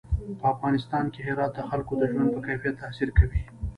په افغانستان کې هرات د خلکو د ژوند په کیفیت تاثیر کوي.